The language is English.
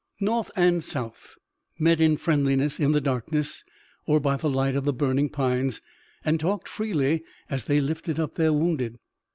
North and South met in friendliness in the darkness or by the light of the burning pines, and talked freely as they lifted up their wounded.